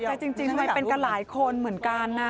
แต่แปลกใจจริงมันเป็นกับหลายคนเหมือนกัน